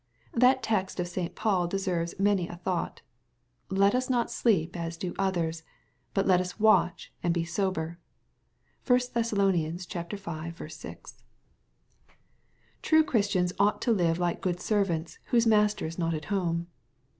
That text of St. Paul deserves many a thought :*^ let us not sleep as do others ; but let us watch and be sober/' (1 Thess. v. 6.) \ True Christians ought to live like good servants, whose master is not at home.